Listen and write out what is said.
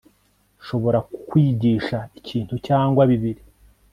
Nshobora kukwigisha ikintu cyangwa bibiri